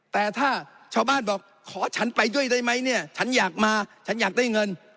แต่ถ้าชาวบ้านบอกขอฉันไปด้วยได้ไหมเนี่ยฉันอยากมาฉันอยากได้เงิน